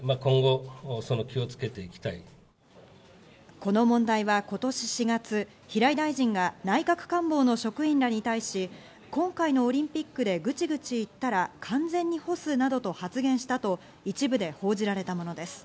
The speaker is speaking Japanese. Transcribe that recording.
この問題は今年４月、平井大臣が内閣官房の職員らに対し今回のオリンピックでぐちぐち言ったら完全に干すなどと発言したと一部で報じられたものです。